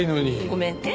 ごめんね。